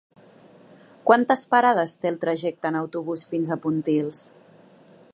Quantes parades té el trajecte en autobús fins a Pontils?